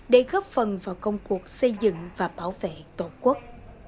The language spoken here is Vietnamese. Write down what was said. để góp phần vào công cuộc xây dựng và bảo vệ tổ quốc